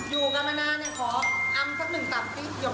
อยู่กันมานานเนี่ยขออำสักหนึ่งตับซิบ